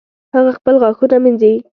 هغه خپل غاښونه مینځي